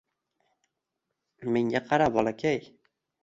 — Menga qara, bolakay